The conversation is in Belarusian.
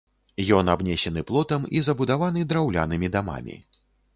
Ён абнесены плотам і забудаваны драўлянымі дамамі.